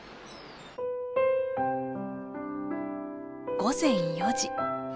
午前４時。